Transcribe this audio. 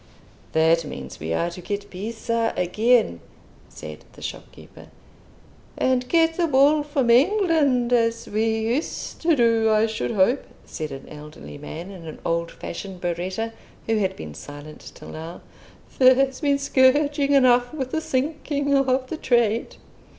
"That means we are to get Pisa again," said the shopkeeper. "And get the wool from England as we used to do, I should hope," said an elderly man, in an old fashioned berretta, who had been silent till now. "There's been scourging enough with the sinking of the trade."